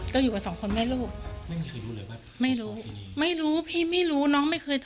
เขากลับทุกวันไง